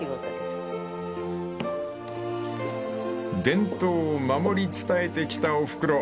［伝統を守り伝えてきたおふくろ］